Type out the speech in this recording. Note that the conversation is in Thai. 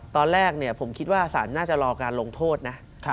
ตอนแรกผมคิดว่าศาลน่าจะรอการลงโทษนะ